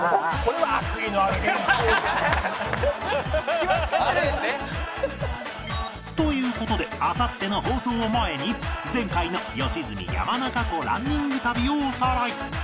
そして最後にという事であさっての放送を前に前回の良純山中湖ランニング旅をおさらい